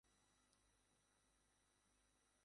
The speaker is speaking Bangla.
মা একটা ডিনার পার্টি দিচ্ছেন।